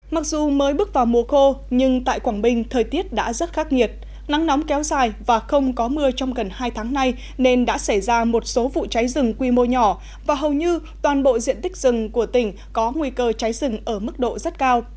mặc dù mới bước vào mùa khô nhưng tại quảng bình thời tiết đã rất khắc nghiệt nắng nóng kéo dài và không có mưa trong gần hai tháng nay nên đã xảy ra một số vụ cháy rừng quy mô nhỏ và hầu như toàn bộ diện tích rừng của tỉnh có nguy cơ cháy rừng ở mức độ rất cao